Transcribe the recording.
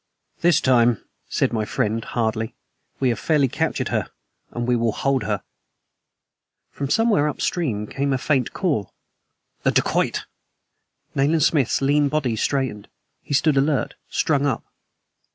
"This time," said my friend hardly, "we have fairly captured her and we will hold her." From somewhere up stream came a faint call. "The dacoit!" Nayland Smith's lean body straightened; he stood alert, strung up.